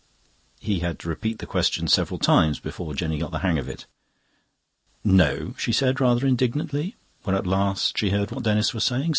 He had to repeat the question several times before Jenny got the hang of it. "No," she said, rather indignantly, when at last she heard what Denis was saying.